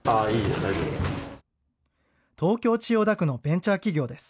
東京・千代田区のベンチャー企業です。